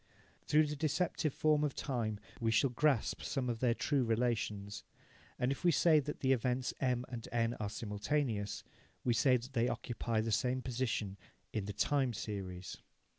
Through the deceptive form of time, we shall grasp some of their true relations. If we say that the events M and N are simultaneous, we say that they occupy the same position in the time series.